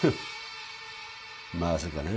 まさかな